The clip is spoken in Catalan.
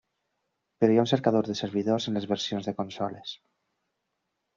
Però hi ha un cercador de servidors en les versions de consoles.